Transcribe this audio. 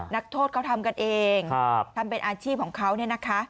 นักโทษเขาทำกันเองทำเป็นอาชีพของเขาเนี่ยนะคะ